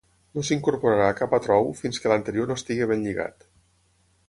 No s’incorporarà cap altre ou fins que l’anterior no estigui ben lligat.